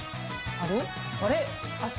あれ？